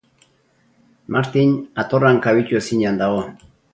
Martin atorran kabitu ezinean dago.